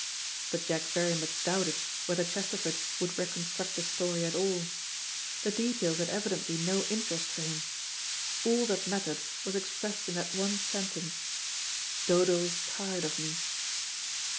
But Jack very much doubted whether Chesterford would reconstruct the story at all. The details had evidently no interest for him. All that mattered was expressed in that one sentence, "Dodo is tired of me."